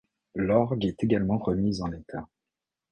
L'orgue est également remis en état.